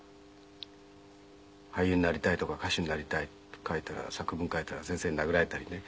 俳優になりたいとか歌手になりたいって書いたら作文書いたら先生に殴られたりね。